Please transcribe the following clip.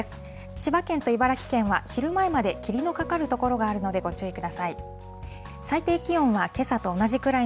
千葉県と茨城県は、昼前まで霧のかかる所があるのでご注意ください。